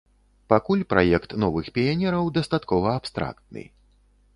Пакуль праект новых піянераў дастаткова абстрактны.